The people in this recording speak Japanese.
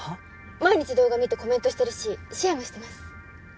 毎日動画見てコメントしてるしシェアもしてます